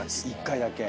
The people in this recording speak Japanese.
１回だけ。